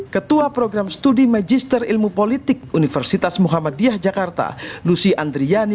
ketua program studi magister ilmu politik universitas muhammadiyah jakarta lucy andriani